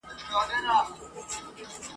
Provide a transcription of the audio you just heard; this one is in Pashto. زور یې نه وو په وزر او په شهپر کي ..